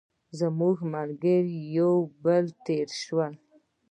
زموږ ملګري یو یو تېر شول.